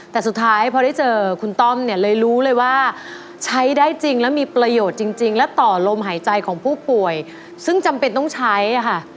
แต่สุดท้ายพอได้เจอคุณต้อมเนี่ยเลยรู้เลยว่าใช้ได้จริงแล้วมีประโยชน์จริงและต่อลมหายใจของผู้ป่วยซึ่งจำเป็นต้องใช้ค่ะ